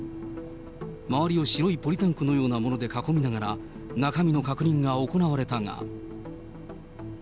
周りを白いポリタンクのようなもので囲みながら、中身の確認が行われたが。